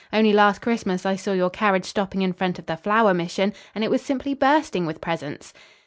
Only last Christmas I saw your carriage stopping in front of the Flower Mission, and it was simply bursting with presents."